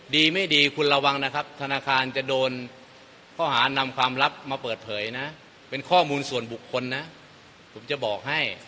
ดีไม่ดีคุณระวังนะครับธนาคารจะโดนข้อหานำความลับมาเปิดเผยนะเป็นข้อมูลส่วนบุคคลนะผมจะบอกให้